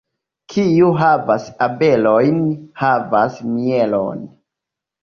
Kiu havas abelojn, havas mielon.